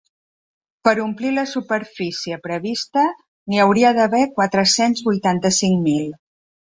Per omplir la superfície prevista, n’hi hauria d’haver quatre-cents vuitanta-cinc mil.